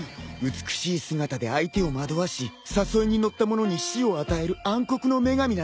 美しい姿で相手を惑わし誘いに乗った者に死を与える暗黒の女神なんだ。